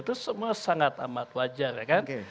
itu semua sangat amat wajar ya kan